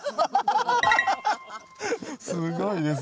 すごいですね。